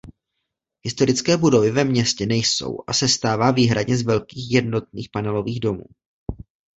Historické budovy ve městě nejsou a sestává výhradně z velkých jednotných panelových domů.